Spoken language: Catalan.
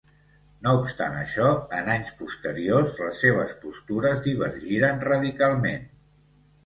No obstant això, en anys posteriors les seves postures divergiren radicalment.